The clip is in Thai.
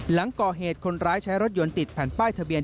หลังก่อเหตุคนร้ายใช้รถยนต์ติดแผ่นป้ายทะเบียน